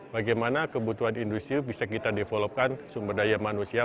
bagaimana kebutuhan industri bisa kita developkan sumber daya manusia